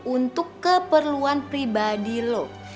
untuk keperluan pribadi lo